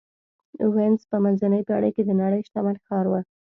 وینز په منځنۍ پېړۍ کې د نړۍ شتمن ښار و.